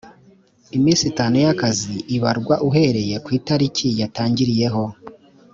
iminsi itanu y akazi ibarwa uhereye ku itariki yatangiriyeho